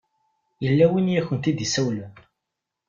Yella win i akent-id-isawlen.